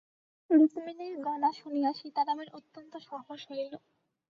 রুক্মিণীর গলা শুনিয়া সীতারামের অত্যন্ত সাহস হইল।